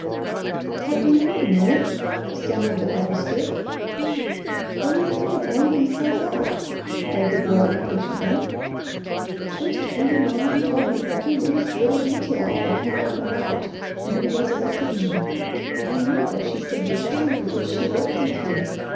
"What do you mean, Ruth?" stammered the Harvester. "Oh they have worn themselves out!" cried the Girl impatiently. "First, Granny Moreland told me every least little detail of how I went out, and you resurrected me. I knew what she said was true, because she worked with you.